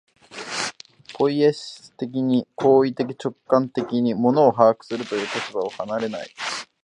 ポイエシス的に、行為的直観的に物を把握するという立場を離れない。